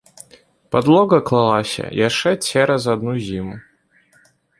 Падлога клалася яшчэ цераз адну зіму.